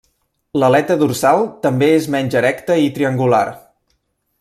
L'aleta dorsal també és menys erecta i triangular.